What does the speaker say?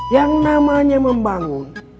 yang namanya membangun